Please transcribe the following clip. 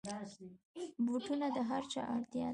بوټونه د هرچا اړتیا ده.